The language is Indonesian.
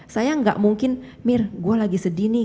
saya tidak mungkin mir saya sedih nih